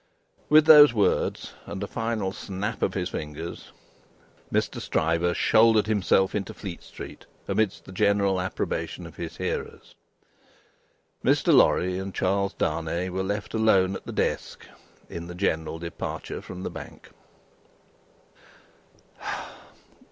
With those words, and a final snap of his fingers, Mr. Stryver shouldered himself into Fleet street, amidst the general approbation of his hearers. Mr. Lorry and Charles Darnay were left alone at the desk, in the general departure from the Bank.